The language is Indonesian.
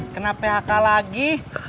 kena phk lagi